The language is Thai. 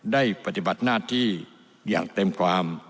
ปฏิบัติหน้าที่อย่างเต็มความ